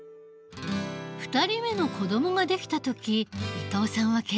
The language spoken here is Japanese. ２人目の子どもが出来た時伊藤さんは決意した。